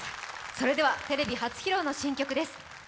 それではテレビ初披露の新曲です。